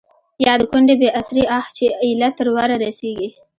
يا َد کونډې بې اسرې آه چې ا يله تر ورۀ رسيږي